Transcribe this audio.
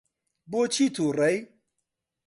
بۆچی تووڕەی؟